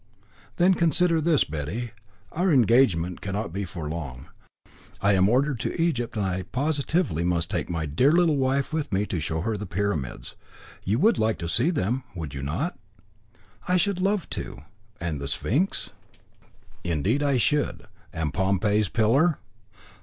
"Then consider this, Betty. Our engagement cannot be for long. I am ordered to Egypt, and I positively must take my dear little wife with me and show her the Pyramids. You would like to see them, would you not?" "I should love to." "And the Sphynx?" "Indeed I should." "And Pompey's Pillar?"